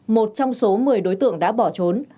một trong số một mươi đối tượng đã bỏ trốn